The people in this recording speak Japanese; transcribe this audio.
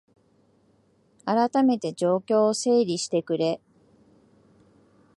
あらためて状況を整理してくれ